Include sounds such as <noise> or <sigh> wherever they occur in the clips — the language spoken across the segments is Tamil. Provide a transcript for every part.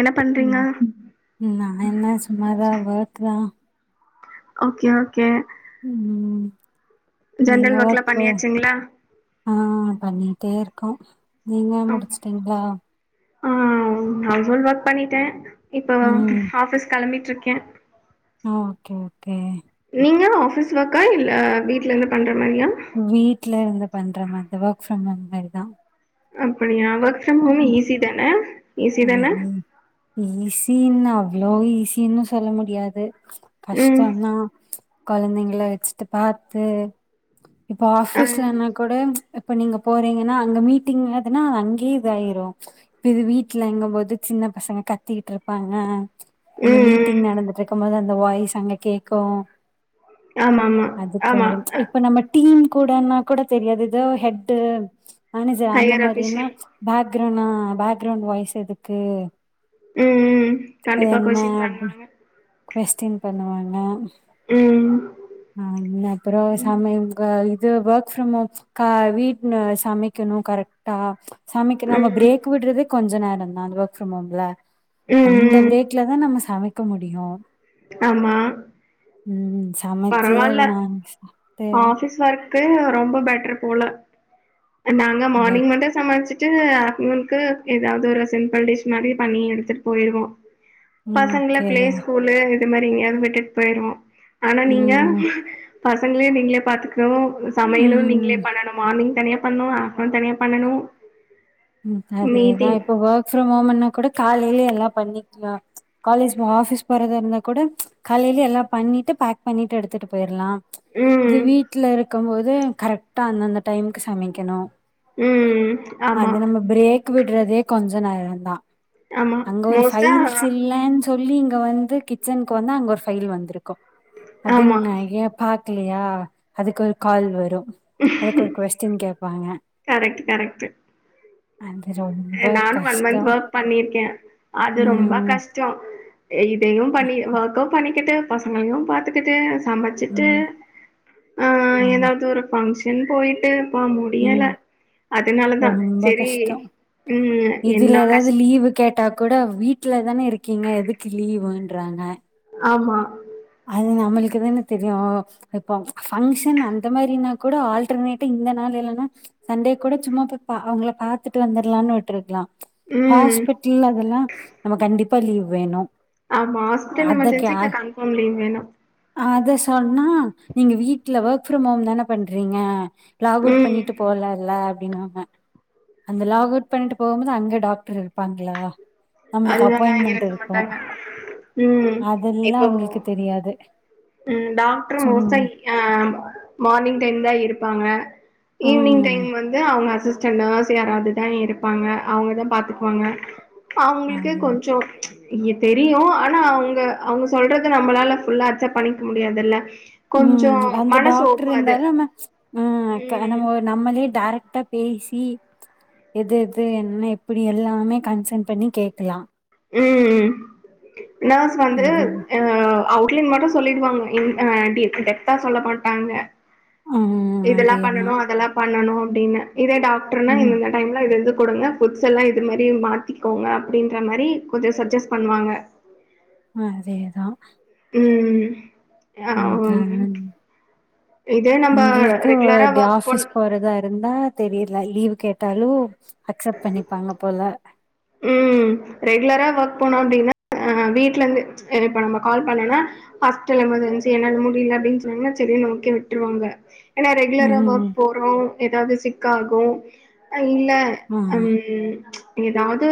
என்ன பண்றீங்க ம் நா என்ன சும்மா தா ஒர்க் தா ஓகே ஓகே ம் நீங்க ஜென்ரல் ஒர்க்லா ஒர்க் போ பண்ணியாச்சுங்களா ஆ பண்ணிட்டே இருக்கோ நீங்க ஆ முடிச்சுட்டீங்ளா ஆ ஹவுஸ்ஹோல் ஒர்க் பண்ணிட்டே இப்போ ம் ஆபிஸ் ஆபிஸ் கெளம்பிட்டு ருக்கே ஆ ஓகே ஓகே நீங்க ஆஃபீஸ் ஒர்க்கா இல்ல வீட்லருந்து பண்ற மாரியா வீட்டலருந்து பண்ற மாரி தா ஒர்க் ஃப்ரம் ஹோம் மாரி தா அப்படியா ஒர்க் ஃப்ரம் ஹோமு ஈஸி தானே ஐயோ ஈஸினு அவ்ளோ ஈஸின்னு சொல்ல முடியாது ம் கஷ்டோந்னா கொழந்தைங்கல வெச்சுட்டு பாத்து இப்ப ஆ ஆஃபீஸ்ல ம் எனக்கு கூட இப்ப நீங்க போறீங்கன்னா அங்க மீட்டிங் எதுனா அங்கே இது ஆயிரு இப்ப இது வீட் வீட்லைங்கம்போது சின்ன பசங்க கத்திட்டு இருப்பாங்க இந்த ம் மீட்டிங் நடந்துட்டுருக் கம் போது அந்த வாய்ஸ் அங்க கேக்கும் ஆமா ஆமா அதுக்கு ஆமா ஒரு இப் ப்ப நம்ப டீம் கூடனா கூட தெரியாது ஏதோ ஹெட் மேனேஜர் அந்த ஹையர் மாரினா அஃபிஷியல் பேக்கரவுண்னா பேக்கரவுண்ட் வாய்ஸ் எதுக்கு ம்ம் அது கண்டிப்பா என்ன? கொஸ்ஸின் பண்ணுவாங்க கொஸ்டின் பண்ணுவாங்க ம் ஆ என்ன அப்புறோ சமையல் காயிது இது ஒர்க் ஃப்ரம் ஹோம் கா வீட்டுன சமைக்கணு கரெக்டா சமைக்க நம்ம ம் ம் பிரேக் விட்றதே கொஞ்ச நேரந் தா அந்த ஒர்க் ஃப்ரம் ஹோம்ல அந்த ம் பிரேக்லதா நம்ம சமைக்க முடியு ஆமா ம் சமைச்சு அத பரவால்ல நான் சாப்ட்டு க்கு ரொம்ப பெட்டர் போல நாங்க மார்னிங் மட்டு சமச்சு ட்டு ஆப்டர்நூனுக்கு ஏதாவது ஒரு சிம்பிள் டிஷ் மாரி பண்ணி எடுத்துட்டு போயிருவோ பசங்கள ஓகே பிளே ஸ்கூலு இது மாரி எங்கயாவது விட்டுட்டு போயிருவோ ஆனா நீங்க ம் பசங்களே நீங்களே பாத்துக்கனு சமையலு ம் நீங்களே பண்ணனு மார்னிங் தனியா பண்ணு ஆப்ட்னுன் தனியா பண்ணனு ம் அதேதா இப்போ ஒர்க் ஃப்ரம் ஹோம்ன்னா கூட காலைலியே எல்லா பண்ணிக்கலா காலேஜ் போ ஆபீஸ் போறதா இருந்தா கூட காலைலே எல்லா பண்ணிட்டு பேக் பண்ணிட்டு எடுத்துட்டு போயிர்லா இது ம் வீட்ல இருக்கும் போது கரெக்டா அந்தந்த டைமுக்கு சமைக்கணு ம் ஆமா அது நம்ம பிரேக் விட்றதே கொஞ்ச நேரந்தா ஆமா அங்க ஒரு மோஸ்ட்டா ஃபைல்ஸ் இல்லேன் சொல்லி இங்க வந்து கிச்சனுக்கு வந்தா அங்க ஒரு ஃபையில் வந்திருக்கு ஆமா அதென்ன கேப் பாக்கலையா அதுக்கு ஒரு கால் வரும் அதுக்கு ஒரு கொஸ்டின் கேப்பாங்க கரெக்ட்டு கரெக்ட்டு அது ரொம் நானு ஒன் மன்த் ஒர்க் பண்ணிருக்கே அது ரொம்ப ம் கஷ் டோ இதையு பண்ணி ஓர்க்கு பண்ணிக்கிட்டு பசங்களையு பாத்துக்கிட்டு சம ச்சிட்டு ம் ஆ ஆமா. எதாவ்து ஒரு ஃபங்ஷன் போய்ட்டு ப்பா முடியல ம். அதனால தா ரொம்ப செரி கஷ்டம். ம் என்ன இதுல எதாவ்து கஷ் லீவு கேட்டா கூட வீட்ல தான இருக் கீங்க எதுக்கு லீவ்வுன்றாங்க ஆமா அது நம்மளுக்கு தான தெரியு இப்போ ஃபங்க்ஷன் அந்த மாரினா கூட ஆல்டர்னேட் இந்த நாள் இல்லன்னா சண்டே கூட சும்மா போய் பா அவுங்கள பாத்துட்டு வந்தர்லாம்னு விட்ருக்லா ம் ஹாஸ்பிட்டல் அதெல்லா நம்ம கண்டிப்பா லீவ் வேணு ஆமா ஹாஸ்பிட்டல் எமர்ஜென்சிக்கு கன்ஃபார்ம் லீவ் வேணு அத சொன்னா நீங்க வீட்ல ஒர்க் ஃப்ரம் ஹோம் தான பண்றீங்க லாக் அவுட் ம் பண்ணிட்டு போலல அப்டினு வாங்க அந்த லாக் அவுட் பண்ணிட்டு போம்போது அங்க டாக்ட்ரு இருப்பாங்களா நம்மளுக்கு அதுவேணா அப்பாயின்மெண்ட் இருக்க இருக்கு மாட்டாங்க ம் அதெல்லா இப்போ அவுங்களுக்கு தெரியாது ம் டாக்டர் சும் மோஸ்டா ஆ மார்னிங் டைம் தா இருப்பாங்க ஈவினிங் ம் டைம் வந்து அவுங்க அசிஸ் டன் நர்ஸ் யாராது தா இருப்பாங்க அவுங்கதா பாத்துக்குவாங்க அவுங்களுக்கே அது கொஞ்சோ தெரியு ஆனா அவுங்க அவுங்க சொல்றது நம்மளால ஃபுல்லா அக்சட் பண்ணிக்க முடியாதில்ல ம் அந்த டாக்ட்ரு இருந்தாலு ம் க ம் நம்ம நம்மளே டைரெக்டா பேசி எது எது என்ன எப்டி எல்லாமே கன்சன் பண்ணி கேக்கலா ம் நர்ஸ் வந்து இது அ அவுட்லைன் மட்டு சொல்லிடுவாங்க இன் அ டி டெப்த்தா சொல்ல மாட்டாங்க ம் இதல்லா அதேதா பண்ணணு அதல்லா பண்ணணு அப்டீனு இதே டாக்டர்னா ம் இந்த டைம்ல இது இது குடுங்க ஃபுட்ஸ் எல்லா இது மாரி மாத்திக்கோங்க அப்டின்ற மாரி கொஞ்ச சஜஸ் பண்ணுவாங்க அதேதா ம் ஆ ம் தானங் இதே நம்ம உங்களுக்கு ரெகுலரா டே ஒர்க் ஆபிஸ் பண் போறதா இருந்தா தெரியில லீவ் கேட்டாலு அக்செப்ட் பண்ணிப்பாங்க போல ம் ரெகுலரா ஒர்க் போனோ அப்டின்னா அ வீட்ல இருந்து இப்ப நம்ம கால் பண்ணனா ஹாஸ்பிடல் எமர்ஜென்சி என்னால முடியில அப்டின் சொன்னிங்கன்னா செரின் ஓகே விட்ருவாங்க ஏன்னா ரெகுலரா ம் ஒர்க் போறோ ஏதாவது சிக் ஆகூ இல்ல ஆ ம் ஏதாவது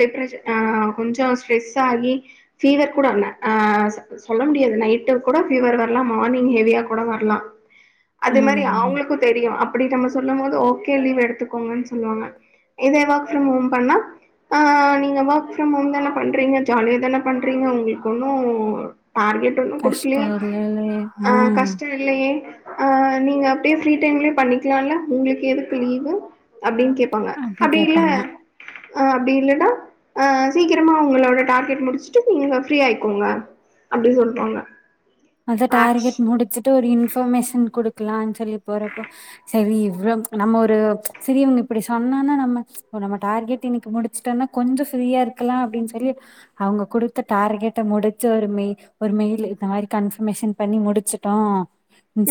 டிப்ரெஷன் ஆ கொஞ்சோ ஸ்ட்ரெஸ் ஆகி ஃபீவர் கூட அன்ன ஆச சொல்ல முடியாது நைட்டோ கூட ஃபீவர் வரலா மார்னிங் ஹெவியா கூட வரலா அது மாரி ம் அவூங்களுக்கூ தெரியூ அப்டி நம்ம சொல்லூ போது ஓகே லீவ் எடுத்துக்கோங்க சொல்லுவாங்க இதே ஒர்க் ஃப்ரம் ஹோம் பண்ணா ஆ நீங்க ஒர்க் ஃப்ரம் ஹோம் தானே பண்றீங்க ஜாலியா தானே பண்றீங்க உங்களுக்கு ஒன்னூ டார்கெட் ஒன்னூ கஷ்ட குடுக்கலியே இல்லலே அ ம் கஷ்டே இல்லயே ஆ நீங்க அப்டியே ஃப்ரீ டைம்லயே பண்ணிக்கலாம் இல்ல உங்களுக்கு எதுக்கு லீவு அப்டின் கேப்பாங்க அப்டி இல்ல அ அப்டி இல்லனா அ சீக்கிரமா உங்களோட டார்கெட் முடிச்சுட்டு நீங்க ஃப்ரீ ஆயிக்கோங்க அப்டி சொல்வாங்க அதெ டார்கெட் முடிச்சுட்டு ஒரு இன்ஃபர்மேஷன் குடுக்கலா சொல்லி போறப்ப சரி இவ்ளோ நம்ம ஒரு செரி இவங்க இப்டி சொன்னோன்ன நம்ம ஓ நம்ம டார்கெட் இன்னிக்கி முடிச்சுட்டோம்னா கொஞ்சோ ஃப்ரீயா இருக்கலா அப்டின் செல்லி அவங்க குடுத்த டார்கெட்ட முடிச்சு ஒரு மெய் ஒரு மெயில் இதாறு கன்பர்மேஷன் பண்ணி முடிச்சிட்டோ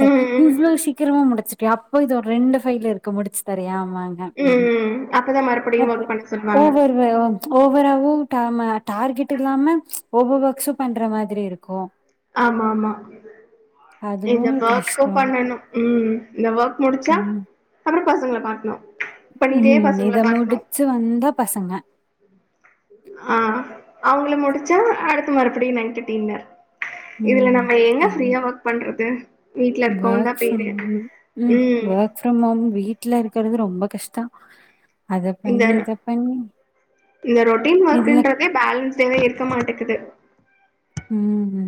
செரி ம் ம் இவ்ளோ சீக்கிரமா முடிச்சுட் அப்போ இது ஒரு ரெண்டூ ஃபைல் இருக்கு முடிச்சு தரியாம்மா ன்னா ம் ம் அப்பதான் மறுபடியும் தப்பு ஒர்க் பண்ண சொல்லுவாங்க ஓவ்வர் வே ஓவராவும் டா ம டார்கெட் இல்லாம ஒவர் ஒர்க்சூ பண்ற மாதிரி இருக்கோ ஆமாம்மா அதுவு இங்க ஒர்க்கூ கஷ்டோ பண்ணணூ ம் இந்த ஒர்க் முடிச்சா ம் அப்புறம் பசங்கள பாக்ணூ ம் ஹூம் இத முடிச்சி வந்தா பசங்க ஆ அவுங்கள முடிச்சா அடுத்த மறுபடியூ நைட்டு டின்னர் இதுல ம் நம்ம எங்க சேரி ஃப்ரீயா ஒர்க் பண்றது வீட்ல இருக்கோ தா ஒர்க் பேரூ ஃப்ரம் ம் ஒர்க் ப்ரம் ஹோம் வீட்லருக்கிறது ரொம்ப கஷ்டொ அத இந்த பண்ணி இத பண்ணி இந்த ரொட்டீன் இதுல ஒர்க்கன்றதே பேலன்ஸடவே இருக்க மாட்டேகுது ம் ம்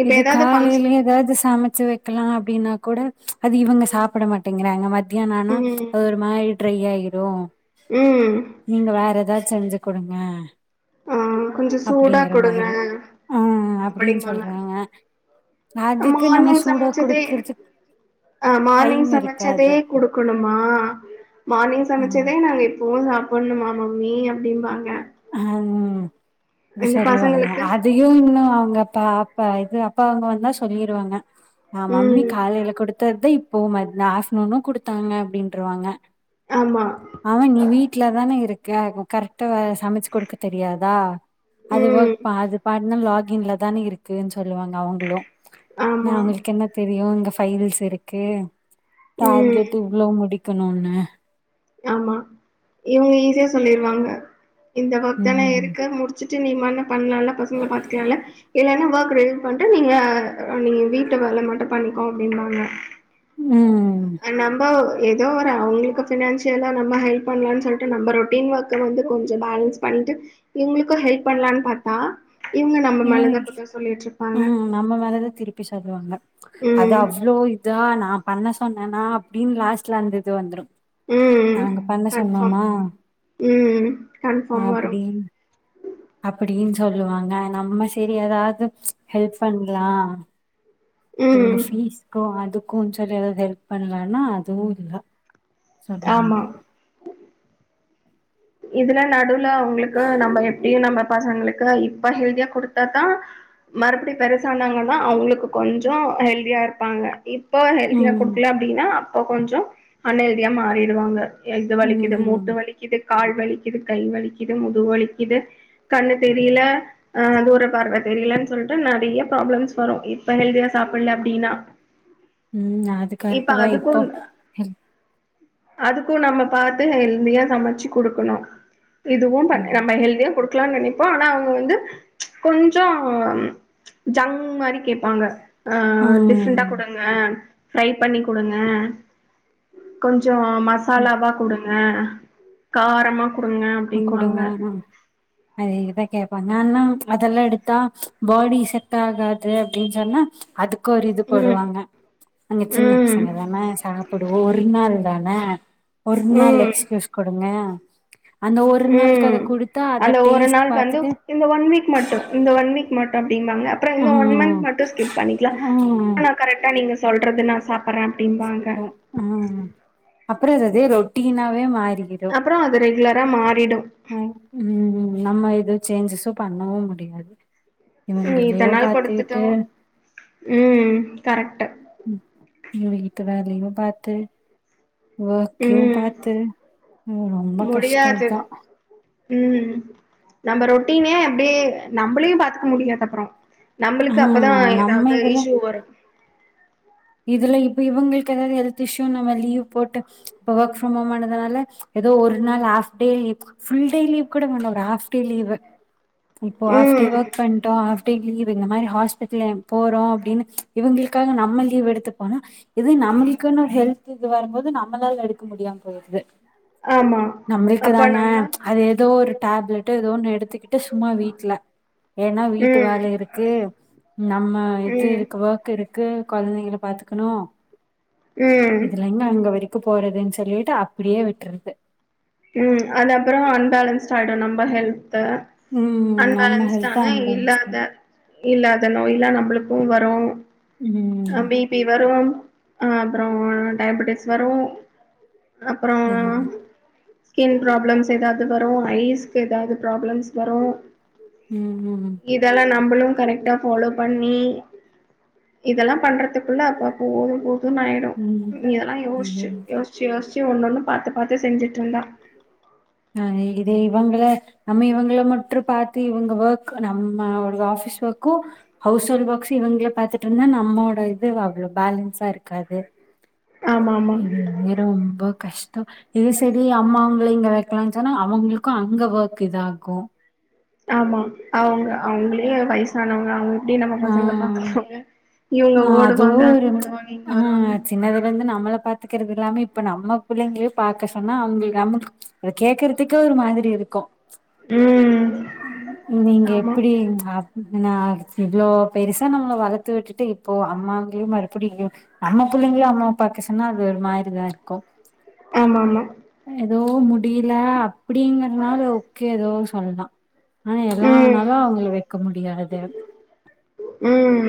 இப்ப இது ஏதாவது காலைல ஃபங்க்ஷன் ஏதாது சமைச்சி வை க்கலா அப்டின்னாக் கூட அது இவங்க சாப்பட மாட்டேங்கறாங்க மத்தியானெ ஆனா ம் அது ஒரு மாரி ட்ரை யாயிரூ ம் நீங்க வேற ஏதாச்சூ செஞ்சு குடுங்க ஆ கொஞ்சோ சூடா அப்டிங்ற மாரி குடுங்க அ ஆ அப்டின்னு சொல்றாங்க அ அதுக்கு நம்ம மார்னிங் சூடா சமைச்சதே குடுக்கறதுக்கு ஆ மார்னிங் டைம் சமைச்சதே இருக்காது குடுக்கணுமா மார்னிங் ம் சமைச்சதே நாங்க இப் பவை சாப்ட்ணுமா மம்மி அப்டிம்பாங்க ஹம் மீ இந்த சொல்லுவாங்க பசங்களுக்கு அத் அதயூ இன்னூ அவுங்க பா அப்பா இது அப்பாங்க வந்தா சொல்லிருவாங்க ஆ மம்மி ம் காலைல குடுத்ததுதா இப்போ மத் ஆஃப்டர்நூனு குடுத்தாங்க அப்டின்ருவாங்க ஆமா அவங் நீ வீட்லதானே இருக்கோ கரெக்டா சமைச்சு குடுக்க தெரியாதா அது ஒர்க் ம் ப அது பாட்னு லாகின்ல தானே இருக்கு சொல்லுவாங்க அவுங்களூ நா ஆமா அவுங்களுக்கென்ன தெரியூ இங்க பைல்ஸ் இருக்கூ ம் டார்க்கெட்டு இவ் இவ்வளொ முடிக்கணுனு ஆமா இவுங்க ஈஸியா சொல்லிருவாங்க இந்த ம் ஒர்க்தான இருக்கு முடிச் ச்சிட்டு நீ மாட்ன பண்ணால்ல பசங்கல பாத்துக்லால்ல இல்லன்னா ஒர்க்கடு பண்ட்டு நீங்க நீங்க வீட்டு வேல மட்டு பண்ணிக்கோ அப்டிம்பாங்க ம் ம் நம்ம ஏதோ ஒரு அவுங்களுக்கு பினான்சி யில்லா நம்ம ஹெல்ப் பண்ணலானு சொல்லிட்டு நம்ம ரொட்டின் ஒர்க்க வந்து கொஞ்சொ பேலன்ஸ் பண்ட்டு இவுங்களுக்கு ஹெல்ப் பண்ணலானு பாத்தா இவுங்க நம்ம மேலதா ம் குத்த சொல்லிட்டு இருப்பாங்க நம்ம மேலதா திருப்பி சொல்வாங்க அது ம் அவ்ளோ இதா நா பண்ண சொன்னனா அப்டின்னு லாஸ்ட்ல அந்த இது வந்துரு ம் நாங்க பண்ண கன்ஃபார்ம் சொன்னோமா ம் கன்ஃபார்ம் வரு <inaudible> அப்படின்னு சொல்லுவாங்க நம்ம செரி ஏதாது ஹெல்ப் பண்லா இவுங்க ம் ஃபீஸ்க்கூ அதுக்குன்னு சொல்லி ஏதாது ஹெல்ப் பண்லனா அதுவு இல்ல சொல்லுவாங்க ஆமா இதுல நடுல அவுங்களுக்கு நம்ம எப்டியு நம்ம பசங்களுக்கு இப்ப ஹெல்தியா குடுத்தாதா மறுபடி பெருசானாங்கன்னா அவுங்களுக்கு கொஞ்சொ ஹெல்தியா இருப்பாங்க இப்போ ஹெல்தியா ம் குடுக்கல அப்டின்னா அப்ப கொஞ்சொ அன்ஹெல்தியா மாறிடுவாங்க இது வலிக்கிது ம் மூட்டு வலிக்கிது கால் வலிக்கிது கை வலிக்கிது முதுகு வலிக்கிது கண்ணு தெரியல ஆ தூர பார்வ தெரியலன்னு சொல்லிட்டு நெறையா ப்ராப்ளம்ஸ் வரு இப்ப ஹெல்தியா சாப்டல அப்டின்னா ம் அது இப்ப கரட்டு தா இப்போ அதுக்கு அதுக்கு நம்ம பாத்து ஹெல்தியா சமைச்சு குடுக்கணு இதுவு பட் ம் நம்ம ஹெல்தியா குடுக்கலான்னு நெனைப்போ ஆனா அவுங்க வந்து ம்ச் கொஞ்சொ ஜங் மாரி கேப்பாங்க ஆ டிஃப்ரெண்டா ம் குடுங்க ஃப்ரை பண்ணி குடுங்க கொஞ்சொ ம் மசாலாவா குடுங்க காரமா குடுங்க அப்டிம்பாங்க அதேதா கேப்பாங்க அத நா அதெல்லா எடுத்தா பாடி செட்டாகாது அப்டின்னு சொன்னா அதுக்கு ஒரு இது ம் போடுவாங்க நாங்க சின்ன ம் பசங்க தானே சாப் புடுவோ ஒரு நாள் தானே ஒரு நாள் ம் எக்ஸ்கியூஸ் குடுங்க அந்த ஒரு நாளுக்கு உம் அத குடுத்தா அத அந்த ஒரு டேஸ்ட் நாள் வந்து பாத்துட்டு இந்த ஒன் வீக் மட்டு இந்த ஒன் வீக் மட்டு அப்டின்பாங்க அப்பறோ இந்த ஒன் ம் மந்த் மட்டு ஸ்கிப் பண்ணிக்கலா ம் <unintelligible> கரெக்டா நீங்க சொல்றது நா சாப்புறே சாப்புட்ரே ஆ அப்பறோ அதே ரொட்டினாவே மாறி அப்பறோ அது ரெகுலரா மாறிடு ம் உம் நம்ம எது சேஞ்சஸு பண்ணவு முடியாது இவுங்களேயு பாத்துக்கிட்டு உம் கரெக்ட்டு ஹம் வீட்டு வேலயு பாத்து வோர்கயு ம் பாத்து ரொம்போ கஷ்டோ தா உம் நம்ம ரொட்டினே அப்டியே நம்மளையு பாத்துக்க முடியாது அப்பறோ ஆ நம்மளுக்கு அப்ப தா நம்ம ஏதாவது இதுல இஷ்யூ வரு இதுல இப்ப இவுங்களுக்கு ஏதாவது ஹல்த் இஷ்யுனு நம்ம லீவ் போட்டு இப்ப ஒர்க் ஃப்ரம் ஹோம் ஆனதுனால ஏதோ ஒரு நாள் half day leave full day leave கூட வேணா ஒரு ஹாஃப் டே லீவ்வு இப்போ ஹாஃப் டே ம் ஒர்க் பண்ட்டோ ஹாஃப் டே லீவு இந்த மாரி ஹாஸ்பிட்லு போறோ அப்டின்னு இவுங்குளுக்காக நம்ம லீவ் எடுத்து போனு இதே நம்முளுக்குன்னு ஹெல்த்து இது வரும் போது நம்மளால எடுக்க முடியாம போய்ர்து ஆமா நம்ளுக்கு அப்ப தான நம்ம அது எதோ ஒரு டாப்லெட்டு எதோண்ணு எடுத்துக்கிட் டு சும்மா வீட்ல ஏனா வீட்டு வேல ம் இருக்கு நம்ம ம் இதுருக் வோர்க் இருக்கு கொழந்தைங்கள பாத்துக்கணு ம் இதுல எங்க அங்க வரிக் த்து போறதுன் சொல்லிட்டு அப்டியே விட்றது ம் அது அப்றோ அன்பேலன்ஸ்ட் ஆய்டும நம்ப ஹெல்த்து ம் நம்ம ஹெல்த் அன்பேலன்ஸ்ட்டானா அன்பன்ஸ்டு இல்லாத இல்லாத நோய்லா நம்புளுக்கும் வரும் ம் அ பீ பி வரும் அப்பறோ ஆ டயபெட்டிஸ் வரும் அப்பறோ ம் ம் ஸ்கின் ப்ராப்ளம்ஸ் எதாது வரும் ஐஸ்க்கு எதாது ப்ராப்ளம்ஸ் வரும் ம் ம் இதலா நம்புளும் கரெக்ட்டா ஃபாலோ பண்ணி இதல்லாம் பண்றதுக்குள்ள அப்பா போதும்போ துனாய்டு ம் இதல்லா இது யோஸ்ச்சு யோஸச்சி யோஸ்ச்சு ஒன்னொண்ணோ பாத்து பாத்து செஞ்சுட்ருந்தா ஆ இது இவங்கள நம்ம இவங்கள மட்றோ பாத்து இவங்க வோர்க் நம்ம ஓடுது ஆஃபிஸ் ஓர்க்கும் ஹவுஸ் ஹோல்ட் ஓர்க்ஸ்ஸு இவுங்கள பாத்துட்ருந்தா நம்மோட இது அவ்ளோ பேலன்ஸா இருக்காது ஆமா ஆமா இதுவே ரொம்ப கஷ் டோ இது செரி அம்மாவுங்ள இங்க வெக்லான் சொன்னா அவுங்ளுக்கும் அங்க ஒர்க் இதாகும் ஆமா அவுங்க அவுங்ளே வய்சானவங்க அவுங்க எப்டி நம்ம பசங்ள பாத்துக்குவாங்க இவங்க ம் ஆ அதுவு ஓடுவாங்க அங்க ஒரு ஓடுவாங்க இங்க ஆ வருவாங்க சின்னதுலந்து நம்மள பாத் பாத்துக்கறது இல்லாமே இப்ப நம்ம புள்ளைங்ளயு பாக்க சொன்னா அவுங்க நமக் அது கேக்கறத்துக்கே ஒரு மாதிரி இருக்கும் ம் நீங்க ஆமா எப்புடி அப் நா இவ்ளோ பெருசா நம்ள வளத்து விட்டுட்டு இப்போ அம்மாங்ளியு மறுபடியு நம்ம புள்ளைங்ளே அம்மா பாக்க சொன்னா அது ஒரு மாரி தா இருக்கும் ஆமா ஆமா எதோ முடில அப்டிங்றனால ஓக்கே எதோ சொல்லாம் ஆனா எல்லா ம் நாளு அவுங்கள வெக்க முடியாது ம்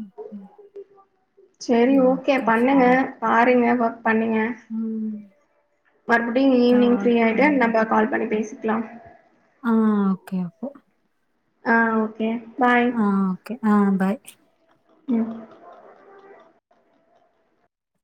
ம் ம் செரி ஓக்கே பண்ணுங்க பாருங்க ஒர்க் பண்ணுங்க ம் மறுபுடியு தா ஈவினிங் ஒர்க் ஃப்ரியாய்ட்டு பண்ணு நம்ப கால் பண்ணி பேசிக்லாம் ஆ ஓக்கே அப்போ ஆ ஓக்கே பாய் கே ஆ பாய் ம்